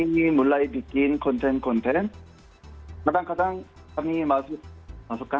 tapi sejak kami mulai bikin konten konten kadang kadang kami masukkan